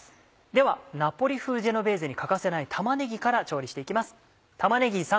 ではナポリ風ジェノベーゼに欠かせない玉ねぎから調理して行きます。